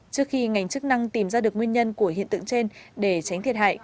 trước khi ngành chức năng tìm ra được nguyên nhân của hiện tượng trên để tránh thiệt hại